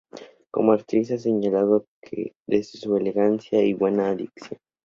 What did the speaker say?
Como actriz se ha señalado de ella su elegancia y buena dicción.